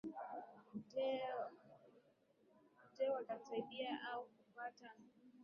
je watamsaidia aa kupata